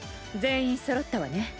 全員そろったわね。